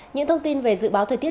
nhiệt độ cao nhất đau xanh nắng mưa